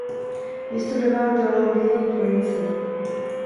Vystudoval teologii v Linci.